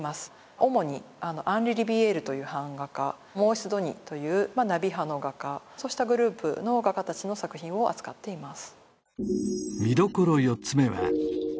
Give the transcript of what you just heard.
主にアンリ・リヴィエールという版画家モーリス・ドニというナビ派の画家そうしたグループの画家たちの作品を扱っています